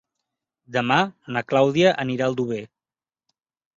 Demà na Clàudia anirà a Aldover.